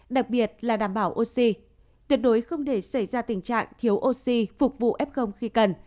đặc biệt là đảm bảo oxy tuyệt đối không để xảy ra tình trạng thiếu oxy phục vụ f khi cần